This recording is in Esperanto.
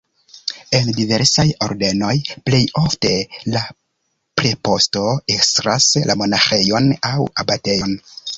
En diversaj ordenoj plej ofte la preposto estras la monaĥejon aŭ abatejon.